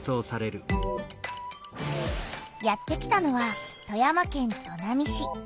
やって来たのは富山県砺波市。